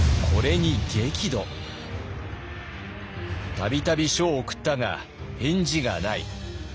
「度々書を送ったが返事がない。